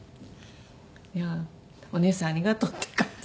いやあお姉さんありがとうって感じ。